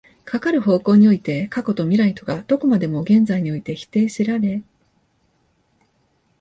かかる方向において過去と未来とがどこまでも現在において否定せられ、